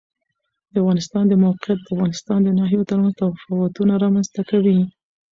د افغانستان د موقعیت د افغانستان د ناحیو ترمنځ تفاوتونه رامنځ ته کوي.